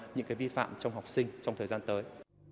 những vi phạm trong học sinh trong thời gian tới